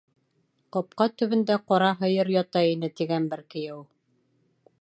Ҡапҡа төбөндә ҡара һыйыр ята ине, тигән бер кейәү.